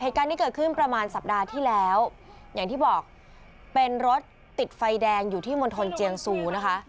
เหตุการณ์นี้เกิดขึ้นประมาณสัปดาห์ที่แล้วอย่างที่บอกเป็นรถติดไฟแดงอยู่ที่มณฑลเจียงซูนะคะ